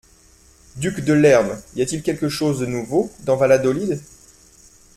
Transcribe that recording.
Duc de Lerme, y a-t-il quelque chose de nouveau dans Valladolid ?